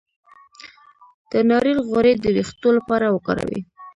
د ناریل غوړي د ویښتو لپاره وکاروئ